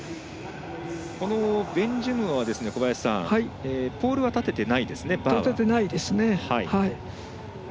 このベンジュムアはポールは立てていないですね。